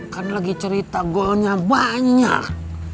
kan lagi cerita goalnya banyak